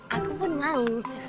aku pun mau